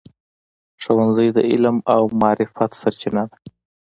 ښوونځی د علم او معرفت سرچینه ده.